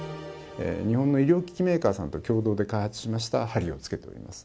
日本の医療機器メーカーさんと共同で開発しました針をつけております。